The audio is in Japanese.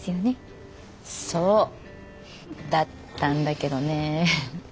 そうだったんだけどねぇ。